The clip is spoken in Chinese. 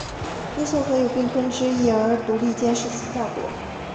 因宋朝有并吞之意而独立建立西夏国。